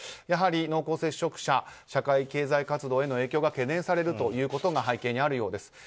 やはり濃厚接触者社会経済活動への影響が懸念されるということが背景にあるようです。